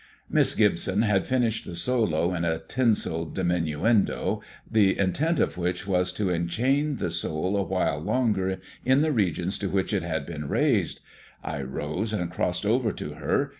Miss Gibson had finished the solo in a tinsel diminuendo, the intent of which was to enchain the soul a while longer in the regions to which it had been raised. I rose and crossed over to her.